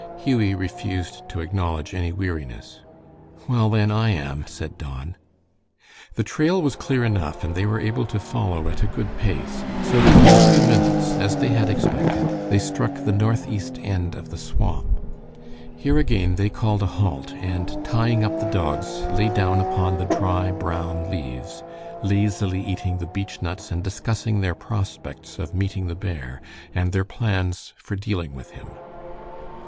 Hughie refused to acknowledge any weariness. "Well, then, I am," said Don. The trail was clear enough, and they were able to follow at a good pace, so that in a few minutes, as they had expected, they struck the northeast end of the swamp. Here again they called a halt, and tying up the dogs, lay down upon the dry, brown leaves, lazily eating the beechnuts and discussing their prospects of meeting the bear, and their plans for dealing with him.